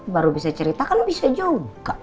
baru bisa cerita kan bisa juga